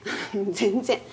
全然。